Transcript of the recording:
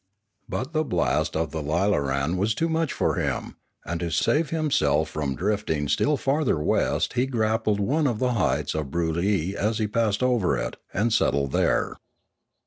But the blast of the lilaran was too much for him; and to save himself from drifting still farther west he grappled one of the heights of Broolyi as he passed over it, and settled there.